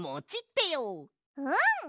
うん！